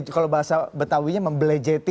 kalau bahasa betawinya membelejeti